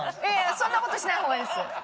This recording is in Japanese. そんな事しない方がいいです。